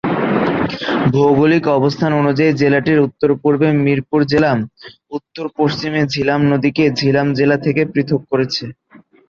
ভৌগোলিক অবস্থান অনুযায়ী জেলাটির উত্তরপূর্বে মিরপুর জেলা, উত্তর-পশ্চিমে ঝিলাম নদীকে ঝিলাম জেলা থেকে পৃথক করেছে।